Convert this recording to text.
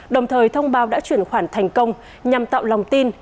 đồng thời thông báo đã chuyển khoản thành công nhằm tạo lòng tin